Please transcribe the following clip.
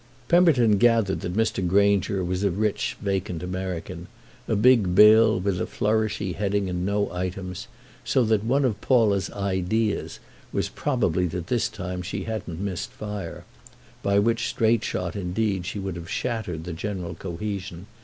Pemberton gathered that Mr. Granger was a rich vacant American—a big bill with a flourishy heading and no items; so that one of Paula's "ideas" was probably that this time she hadn't missed fire—by which straight shot indeed she would have shattered the general cohesion.